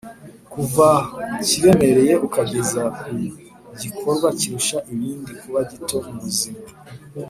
kuva ku kiremereye ukageza ku gikorwa kirusha ibindi kuba gito mu buzima